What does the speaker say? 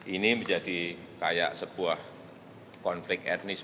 ini menjadi kayak sebuah konflik etnis